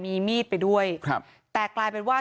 มีมีดไปด้วยครับแต่กลายเป็นว่า